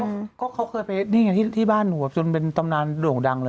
ก็เขาเคยไปนี่ไงที่บ้านหนูจนเป็นตำนานโด่งดังเลย